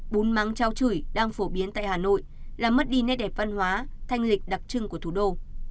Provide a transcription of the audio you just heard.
bún mắng cháo chửi đang phổ biến tại hà nội là mất đi nét đẹp văn hóa thanh lịch đặc trưng của thủ đô